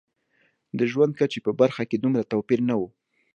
د ژوند کچې په برخه کې دومره توپیر نه و.